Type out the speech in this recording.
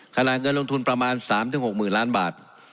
ขณะเงินลงทุนประมาณ๓๖๐๐๐ล้านบาท